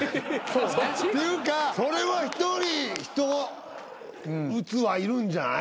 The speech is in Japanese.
っていうかそれは１人１器いるんじゃない？